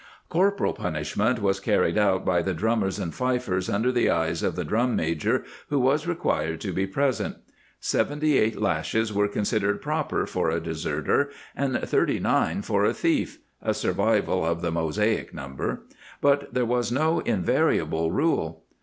^ Corporal punishment was carried out by the drummers and fifers under the eyes, of the drum major, who was required to be present.'"' Sev enty eight lashes were considered proper for a deserter and thirty nine for a thief — a survival of the Mosaic number — but there was no invariable rule.